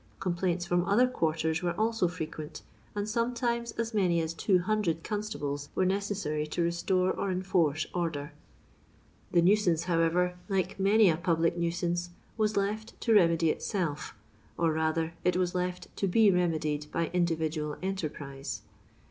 Complaints from other qnarten were also frequent, and sometimes as many as 200 constables were necessary to restore or enforce order. The nuisance, however, like many a public nuisance, was left to remedy itself or rather it was left to be remedied by indiyidnal enterprise. Mr.